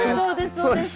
そうです